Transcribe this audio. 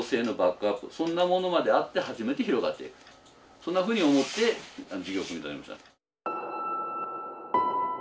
そんなふうに思って事業を組み立てました。